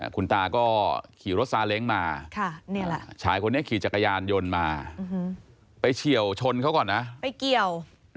คุณตาก็ขี่รถซาเล้งมาชายคนนี้ขี่จักรยานยนต์มาไปเฉียวชนเขาก่อนนะไปเกี่ยว